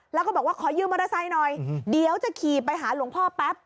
แล้วก็บอกว่าขอยืมมอเตอร์ไซค์หน่อยเดี๋ยวจะขี่ไปหาหลวงพ่อแป๊บ